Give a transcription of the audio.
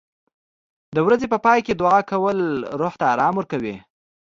د ورځې په پای کې دعا کول روح ته آرام ورکوي.